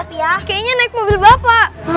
kayaknya naik mobil bapak